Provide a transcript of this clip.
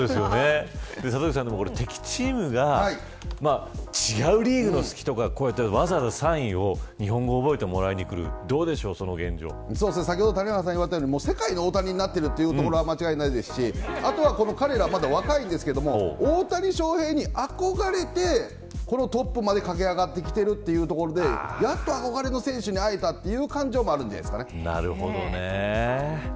里崎さん、敵チームが違うわざわざサインを日本語を覚えて、もらいに来る世界の大谷になっているというところは間違いないですしあとは彼らまだ若いですけど大谷翔平に憧れてトップまで駆け上がってきてるというところでやっと憧れの選手に会えたという感じもあるんじゃないですかね。